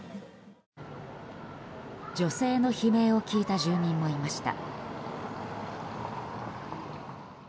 女性の悲鳴を聞いた住民もいました。